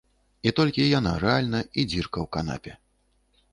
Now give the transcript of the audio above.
І толькі яна рэальна і дзірка ў канапе.